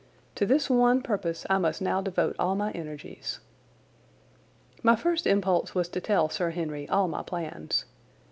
To this one purpose I must now devote all my energies. My first impulse was to tell Sir Henry all my plans.